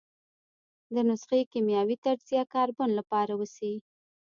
د نسخې کیمیاوي تجزیه کاربن له پاره وشي.